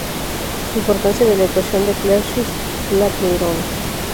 Importancia de la ecuación de Clausius-Capleyron.